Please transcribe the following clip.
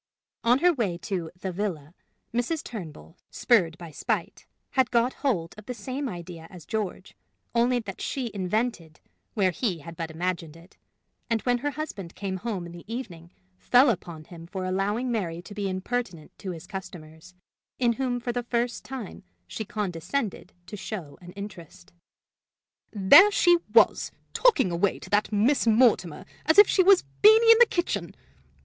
On her way to "the villa," Mrs. Turnbull, spurred by spite, had got hold of the same idea as George, only that she invented where he had but imagined it; and when her husband came home in the evening fell out upon him for allowing Mary to be impertinent to his customers, in whom for the first time she condescended to show an interest: "There she was, talking away to that Miss Mortimer as if she was Beenie in the kitchen!